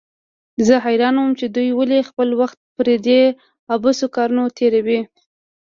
زه حيران وم چې دوى ولې خپل وخت پر دې عبثو کارونو تېروي.